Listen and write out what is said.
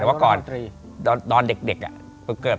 แต่ว่าก่อนตอนเด็กเกือบ